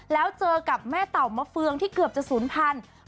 แล้วเจอกับแม่เต่ามะเฟืองที่เกือบจะศูนย์พันธุ์